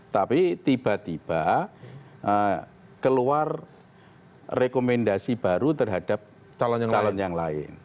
tapi tiba tiba keluar rekomendasi baru terhadap calon yang lain